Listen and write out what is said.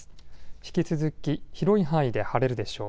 引き続き広い範囲で晴れるでしょう。